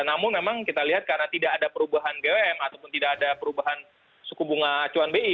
namun memang kita lihat karena tidak ada perubahan gwm ataupun tidak ada perubahan suku bunga acuan bi